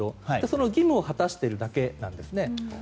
その義務を果たしているだけです。